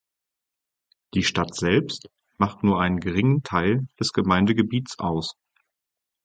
Die Stadt selbst macht nur einen geringen Teil des Gemeindegebiets aus.